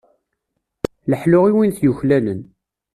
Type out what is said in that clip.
Leḥlu i win t-yuklalen.